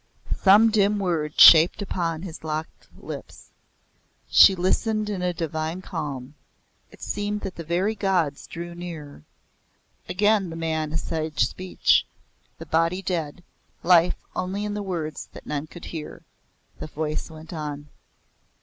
Some dim word shaped upon his locked lips. She listened in a divine calm. It seemed that the very Gods drew nearer. Again the man essayed speech, the body dead, life only in the words that none could hear. The voice went on.)